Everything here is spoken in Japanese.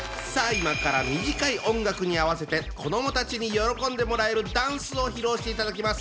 今から短い音楽に合わせて子どもたちに喜んでもらえるダンスを披露していただきます。